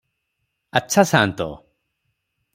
ଆଚ୍ଛା ସାନ୍ତ!